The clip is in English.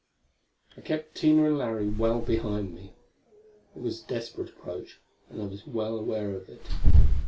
] I kept Tina and Larry well behind me. It was a desperate approach, and I was well aware of it.